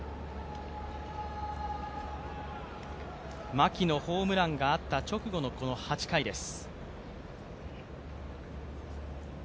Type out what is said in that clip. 牧のホームランがあった直後のこの８回です。